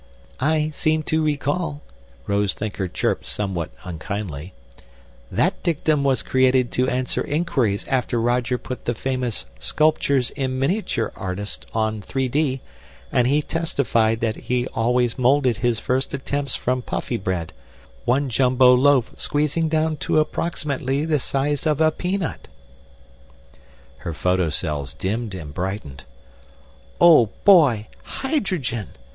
"I seem to recall," Rose Thinker chirped somewhat unkindly, "that dictum was created to answer inquiries after Roger put the famous sculptures in miniature artist on 3D and he testified that he always molded his first attempts from Puffybread, one jumbo loaf squeezing down to approximately the size of a peanut." Her photocells dimmed and brightened. "Oh, boy hydrogen!